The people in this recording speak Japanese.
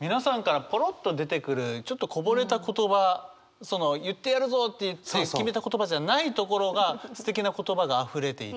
皆さんからぽろっと出てくるちょっとこぼれた言葉言ってやるぞって言って決めた言葉じゃないところがすてきな言葉があふれていて。